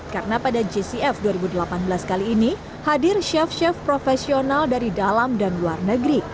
karena pada jcf dua ribu delapan belas kali ini hadir chef chef profesional dari dalam dan luar negeri